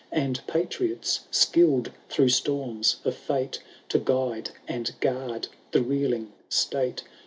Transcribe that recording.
And patriots, skiird through storms cf fate To guide and guard the reeling state.